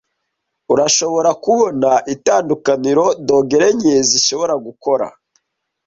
Urashobora kubona itandukaniro dogere nke zishobora gukora.